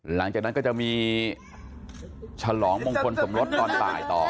หลังจากนั้นก็จะมีฉลองมงคลสมรสตอนบ่ายต่อ